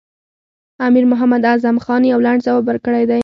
امیر محمد اعظم خان یو لنډ ځواب ورکړی دی.